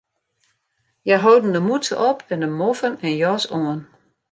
Hja holden de mûtse op en de moffen en jas oan.